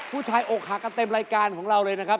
อกหักกันเต็มรายการของเราเลยนะครับ